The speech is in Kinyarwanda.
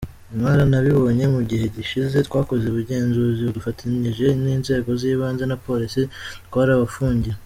Mwaranabibonye mu gihe gishize, twakoze ubugenzuzi dufatanyije n’inzego z’ibanze na Polisi, twarabafungiye.